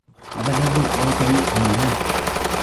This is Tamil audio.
அவரது கொள்கை என்ன?